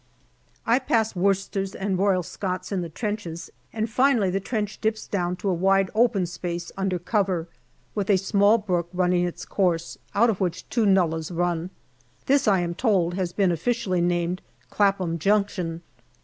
I pass Worcesters and Royal Scots in the trenches, and finally the trench dips down to a wide open space under cover, with a small brook running its course, out of which two nullahs run. This, I am told, has been officially named " Clapham Junction."